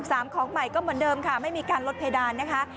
ของใหม่ก็เหมือนเดิมค่ะไม่มีการลดเพดานนะคะ